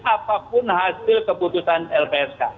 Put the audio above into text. apapun hasil keputusan lpsk